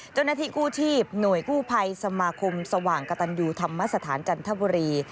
เจ้าหน้าที่กู้ชีพหน่วยกู้ภัยสมาคมสว่างกระตันยูธรรมสถานจันทบุรี